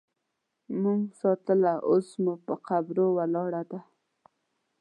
مونږ ساتله اوس مو په قبرو ولاړه ده